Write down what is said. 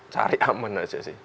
cari aman aja sih